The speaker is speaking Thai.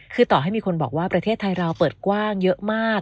คือต่อให้มีคนบอกว่าประเทศไทยเราเปิดกว้างเยอะมาก